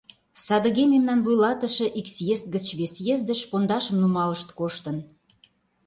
Садыге мемнан вуйлатыше ик съезд гыч вес съездыш пондашым нумалышт коштын.